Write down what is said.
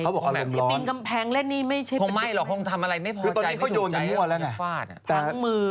เขาบอกอารมณ์ร้อนคงไม่หรอกคงทำอะไรไม่พอใจไม่ถูกใจอย่างฟาดพังมือ